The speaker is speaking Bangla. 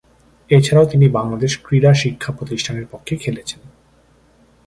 এছাড়াও তিনি বাংলাদেশ ক্রীড়া শিক্ষা প্রতিষ্ঠানের পক্ষে খেলেছেন।